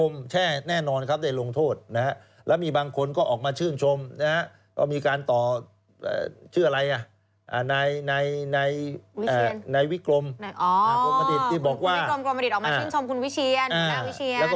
มันล้างก็ได้แล้วใช่ไหมครับครับ